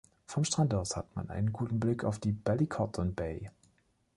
Vom Strand aus hat man einen guten Blick auf die Ballycotton Bay.